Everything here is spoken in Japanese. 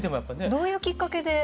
どういうきっかけで？